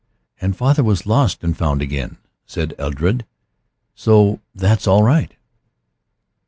"And father was lost and found again," said Edred, "so that's all right."